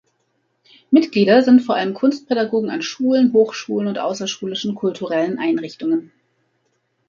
Mitglieder sind vor allem Kunstpädagogen an Schulen, Hochschulen und außerschulischen kulturellen Einrichtungen.